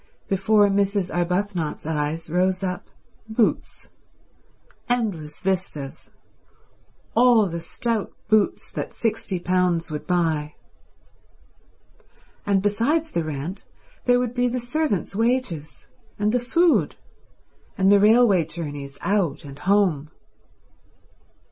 Before Mrs. Arbuthnot's eyes rose up boots: endless vistas, all the stout boots that sixty pounds would buy; and besides the rent there would be the servants' wages and the food, and the railway journeys out and home.